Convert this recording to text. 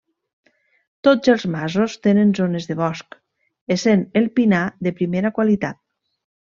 Tots els masos tenen zones de bosc, essent el pinar de primera qualitat.